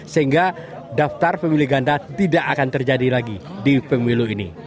sehingga daftar pemilih ganda tidak akan terjadi lagi di pemilu ini